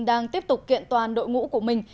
đang tiếp tục kiện toàn đội ngũ của mình